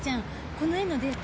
この絵のデータ